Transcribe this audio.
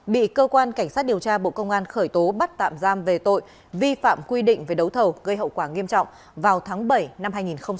bị cơ quan cảnh sát điều tra bộ công an khởi tố bắt tạm giam về tội vi phạm quy định về đấu thầu gây hậu quả nghiêm trọng vào tháng bảy năm hai nghìn hai mươi ba